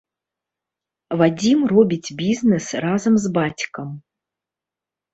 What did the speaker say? Вадзім робіць бізнэс разам з бацькам.